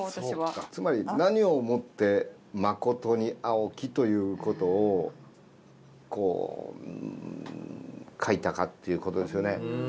つまり何をもって「まことに青き」ということを書いたかっていうことですよね。